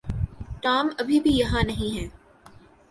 Tom ابھی بھی یہاں نہیں ہے۔